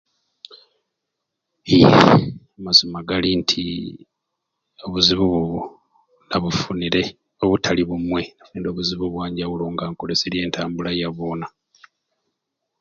Hhhm amazima gali nti obuzibu bwo nabufunire obutali bumwei era obuzibu obwanjawulo nga nkoleserye entambula yabona.